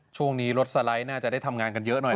ช่วงนี้รถสไลด์น่าจะได้ทำงานกันเยอะหน่อย